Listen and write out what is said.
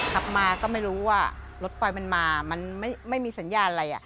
ขับมาก็ไม่รู้ว่ารถไฟมันมามันไม่มีสัญญาณอะไร